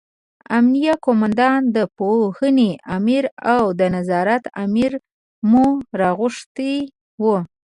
امینه قوماندان، د پوهنې امر او د نظارت امر مو راغوښتي وو.